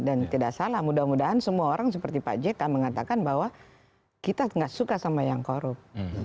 dan tidak salah mudah mudahan semua orang seperti pak jk mengatakan bahwa kita tidak suka sama yang korup